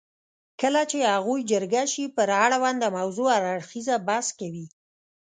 کله چې هغوی جرګه شي پر اړونده موضوع هر اړخیز بحث کوي.